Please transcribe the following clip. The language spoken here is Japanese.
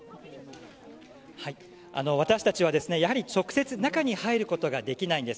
私たちは、直接中に入ることができないんです。